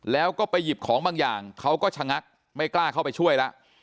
แล้วก็ไปหยิบของบางอย่างเขาก็ชะงักไม่กล้าเข้าไปช่วยแล้ว